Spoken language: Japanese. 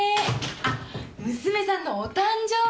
あっ娘さんのお誕生日！